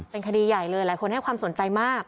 เป็นคดีใหญ่เลยหลายคนให้ความสนใจมาก